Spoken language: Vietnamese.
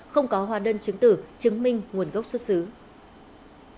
không có hòa đơn chứng tử chứng minh nguồn gốc xuất nhập khẩu